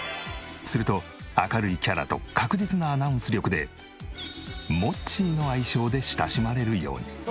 すると明るいキャラと確実なアナウンス力でモッチーの愛称で親しまれるように。